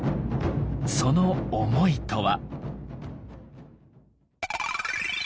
その思いとは。